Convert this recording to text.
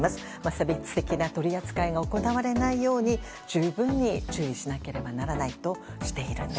差別的な取り扱いが行われないように十分に注意しなければならないとしているんです。